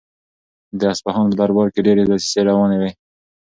د اصفهان په دربار کې ډېرې دسیسې روانې وې.